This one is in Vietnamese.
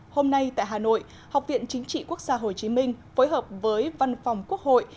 hôm nay tại hà nội học viện chính trị quốc gia hồ chí minh phối hợp với văn phòng quốc hội